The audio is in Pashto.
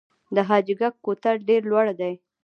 د حاجي ګک کوتل ډیر لوړ دی